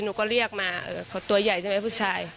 หนูก็เรียกมาเขาตัวใหญ่ใช่ไหมผู้ชาย